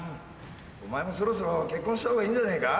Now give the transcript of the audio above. お前もそろそろ結婚したほうがいいんじゃねえか？